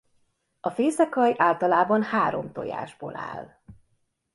A fészekalj általában három tojásból áll.